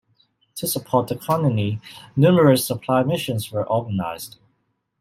To support the Colony, numerous supply missions were organized.